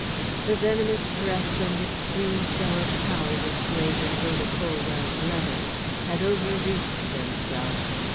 The venomous threats and extreme show of power displayed in Rhoda Colwell's letter had overreached themselves.